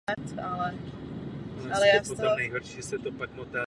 Má tvar půlměsíce a je orientován z jihovýchodu na severozápad.